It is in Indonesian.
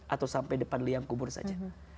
atau sampai depan liang kubur saja